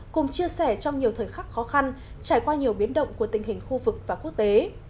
cùng chia sẻ trong nhiều thời khắc khó khăn trải qua nhiều biến động của tình hình khu vực và quốc tế